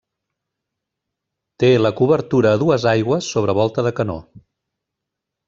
Té la cobertura a dues aigües sobre volta de canó.